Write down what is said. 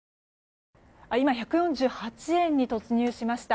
今、１４８円に突入しました。